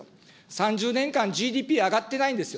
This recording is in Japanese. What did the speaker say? ３０年間ＧＤＰ上がってないんですよ。